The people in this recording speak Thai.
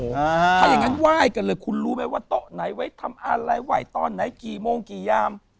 ถ้าอย่างนั้นไหว้กันเลยคุณรู้ไหมว่าโต๊ะไหนไว้ทำอะไรไหวตอนไหนกี่โมงกี่ยาม